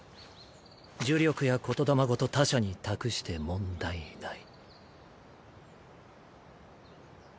呪力や言霊ごと他者に託して問題ない。